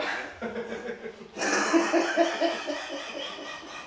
ハハハハッ！